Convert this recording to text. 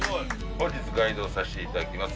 本日ガイドをさせて頂きます。